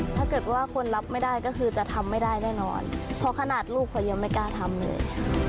ถ้าเกิดว่าคนรับไม่ได้ก็คือจะทำไม่ได้แน่นอนเพราะขนาดลูกเขายังไม่กล้าทำเลย